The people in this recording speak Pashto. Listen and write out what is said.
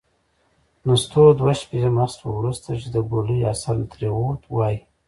نستوه دوه شپې مست و. وروسته چې د ګولۍ اثر ترې ووت، وايي: